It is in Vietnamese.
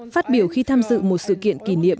phát biểu khi tham dự một sự kiện kỷ niệm